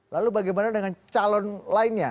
lalu bagaimana dengan calon lainnya